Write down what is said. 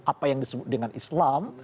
apa yang disebut dengan islam